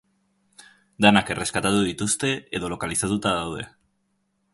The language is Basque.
Denak erreskatatu dituzte edo lokalizatuta daude.